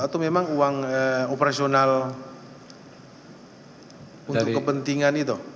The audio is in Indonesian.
atau memang uang operasional untuk kepentingan itu